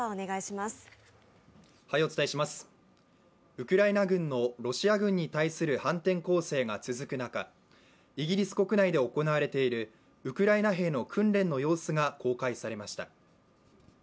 ウクライナ軍のロシア軍に対する反転攻勢が続く中、イギリス国内で行われているウクライナ兵の訓練の様子が公開されました。